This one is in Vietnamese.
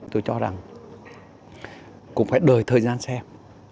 tôi cho rằng cũng phải đợi thời gian xem